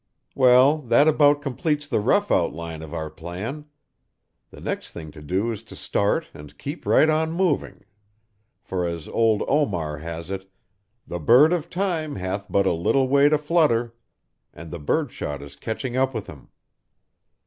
"Well, that about completes the rough outline of our plan. The next thing to do is to start and keep right on moving, for as old Omar has it, 'The bird of time hath but a little way to flutter,' and the birdshot is catching up with him.